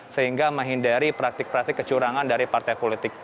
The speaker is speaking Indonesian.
sehingga menghindari praktik praktik kecurangan dari partai politik